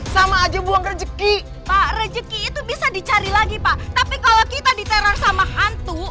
sama aja buang rezeki pak rejeki itu bisa dicari lagi pak tapi kalau kita diteror sama hantu